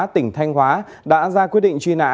tỉnh thanh hóa đã ra quyết định truy nã